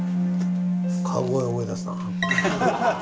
川越を思い出すな。